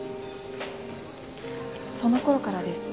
その頃からです。